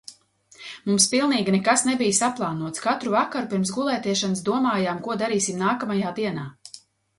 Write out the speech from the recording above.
Mums pilnīgi nekas nebija saplānots. Katru vakaru pirms gulētiešanas domājām, ko darīsim nākamajā dienā.